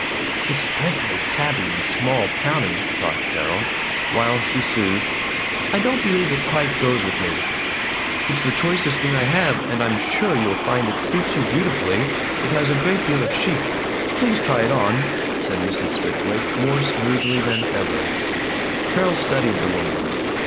"It's dreadfully tabby and small towny," thought Carol, while she soothed, "I don't believe it quite goes with me." "It's the choicest thing I have, and I'm sure you'll find it suits you beautifully. It has a great deal of chic. Please try it on," said Mrs. Swiftwaite, more smoothly than ever. Carol studied the woman.